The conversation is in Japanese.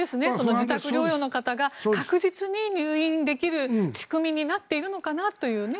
自宅療養の方が確実に入院できる仕組みになっているのかなというね。